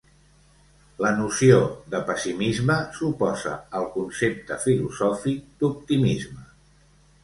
La noció de pessimisme s'oposa al concepte filosòfic d'optimisme.